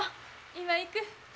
今行く。